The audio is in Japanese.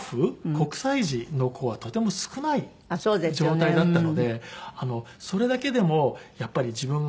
国際児の子はとても少ない状態だったのでそれだけでもやっぱり自分が。